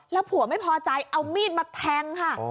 แล้วผัวไม่พอใจเอามีดมาแทงค่ะ